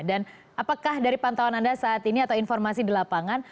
dan apakah dari pantauan anda saat ini atau informasi di lapangan